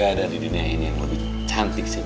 gak ada di dunia ini yang lebih cantik dan baik